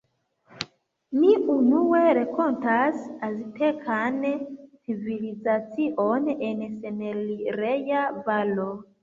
Ni unue renkontas aztekan civilizacion en senelireja valo.